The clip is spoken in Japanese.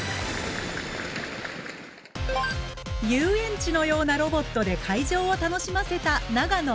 遊園地のようなロボットで会場を楽しませた長野Ａ。